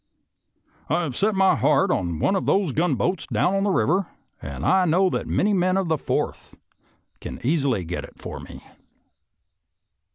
I have set my heart on one of those gun AFTER CHANCELLORSVILLB 113 boats down on the river, and I know that many men of the Fourth can easily get it for me."